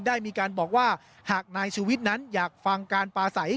ได้มีการบอกว่าหากนายชูวิทย์นั้นอยากฟังการปลาใส